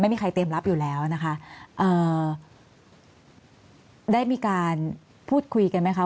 ไม่มีใครเตรียมรับอยู่แล้วนะคะเอ่อได้มีการพูดคุยกันไหมคะ